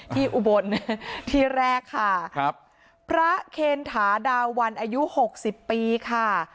ที่อุบลที่แรกค่ะพระเคณฐาดาววันอายุ๖๐ปีค่ะ